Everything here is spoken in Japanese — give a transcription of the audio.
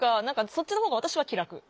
そっちの方が私は気楽。